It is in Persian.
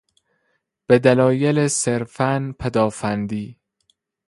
به دلایل صرفا پدافندی